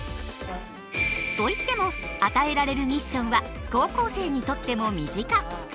といっても与えられるミッションは高校生にとっても身近。